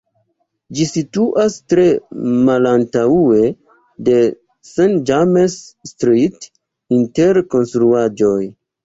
Ĝi situas tre malantaŭe de St James' Street inter konstruaĵoj.